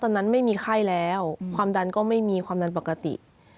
นั้นไม่มีไข้แล้วความดันก็ไม่มีความดันปกติ